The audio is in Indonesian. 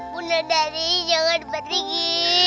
bunda dari jangan pergi